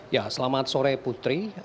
ya selamat sore putri